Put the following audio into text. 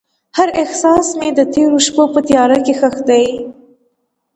هر احساس مې د تیرو شپو په تیاره کې ښخ دی.